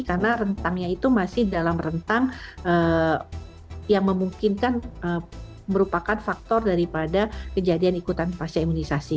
karena rentangnya itu masih dalam rentang yang memungkinkan merupakan faktor daripada kejadian ikutan pasca imunisasi